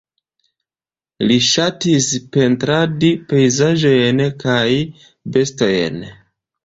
Li ŝatis pentradi pejzaĝojn kaj bestojn.